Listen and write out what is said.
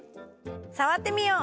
さわってみよう！